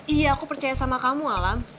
iya aku percaya sama kamu alam